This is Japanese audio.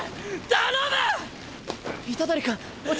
頼む！